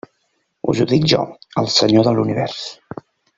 Us ho dic jo, el Senyor de l'univers.